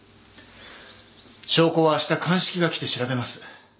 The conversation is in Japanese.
証拠はあした鑑識が来て調べます。